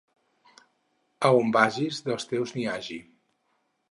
A on vagis, dels teus n'hi hagi.